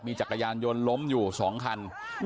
จักรยานยนต์ล้มอยู่๒คัน